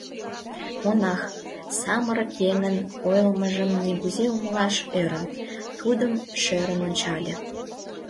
Монах, самырык еҥын ойлымыжым нигузе умылаш ӧрын, тудым шӧрын ончале.